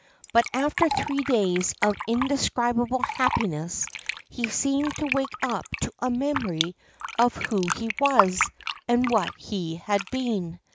But, after three days of in describable happiness, he seemed to wake up to a memory of who he was and what he had been.